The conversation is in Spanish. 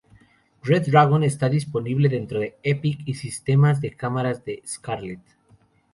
Red Dragon está disponible dentro de Epic y sistemas de cámaras de Scarlet.